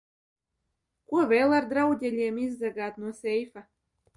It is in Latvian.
Ko vēl ar drauģeļiem izzagāt no seifa?